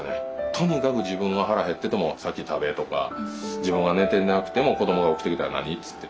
とにかく自分は腹減ってても先食べとか自分は寝てなくても子どもが起きてきたら何？つって。